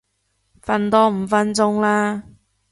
瞓多五分鐘啦